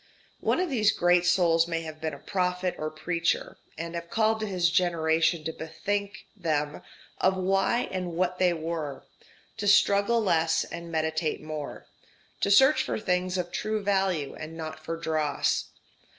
One of these great souls may have been a prophet or preacher, and have called to his generation to bethink them of why and what they were, to struggle less and meditate more, to search for things of true value and not for dross.